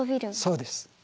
そうです。